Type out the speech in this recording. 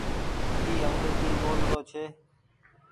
اي انگريزي ٻول رو ڇي۔